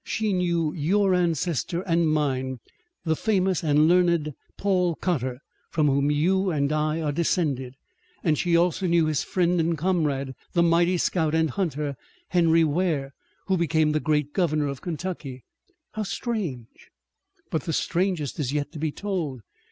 She knew your ancestor and mine, the famous and learned Paul Cotter, from whom you and I are descended, and she also knew his friend and comrade, the mighty scout and hunter, Henry Ware, who became the great governor of Kentucky." "How strange!" "But the strangest is yet to be told.